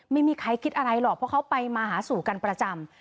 ไม่มีใครคิดอะไรหรอกเพราะเขาไปมาหาสู่กันประจำ